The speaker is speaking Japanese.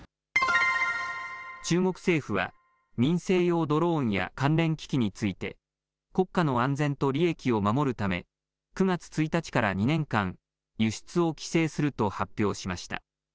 中国政府は、民生用ドローンや関連機器について、国家の安全と利益を守るため、９月１日から２年間、輸出を規制すると発表しました。